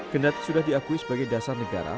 kendati sudah diakui sebagai dasar negara